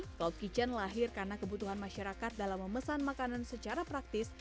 cloud kitchen lahir karena kebutuhan masyarakat dalam memesan makanan secara praktis